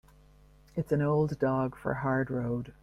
It's an old dog for a hard road.